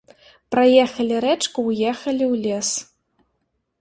Праехалі рэчку, уехалі ў лес.